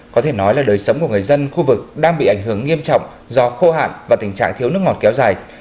có thể nói là đời sống của người dân khu vực đang bị ảnh hưởng nghiêm trọng do khô hạn và tình trạng thiếu nước ngọt kéo dài